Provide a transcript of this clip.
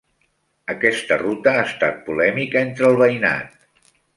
Aquesta ruta ha estat polèmica entre el veïnat.